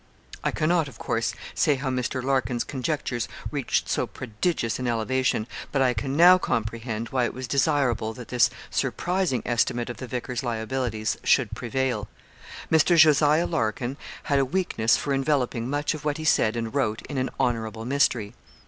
I cannot, of course, say how Mr. Larkin's conjectures reached so prodigious an elevation, but I can now comprehend why it was desirable that this surprising estimate of the vicar's liabilities should prevail. Mr. Jos. Larkin had a weakness for enveloping much of what he said and wrote in an honourable mystery.